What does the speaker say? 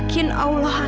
terima kasih san